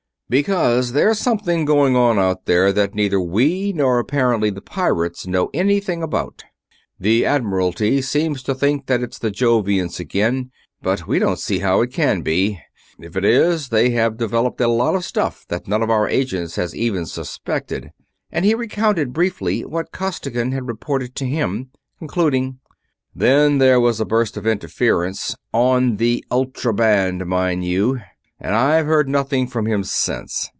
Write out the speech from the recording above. "Because there's something going on out there that neither we nor apparently the pirates know anything about. The Admiralty seems to think that it's the Jovians again, but we don't see how it can be if it is, they have developed a lot of stuff that none of our agents has even suspected," and he recounted briefly what Costigan had reported to him, concluding: "Then there was a burst of interference on the ultra band, mind you and I've heard nothing from him since.